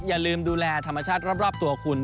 อย่าลืมดูแลธรรมชาติรอบตัวคุณ